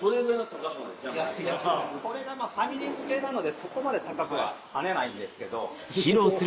これがファミリー向けなのでそこまで高く跳ねないんですけど。